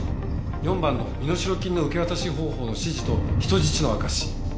４番の身代金の受け渡し方法の指示と人質の証し。